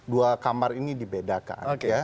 dua kamar ini dibedakan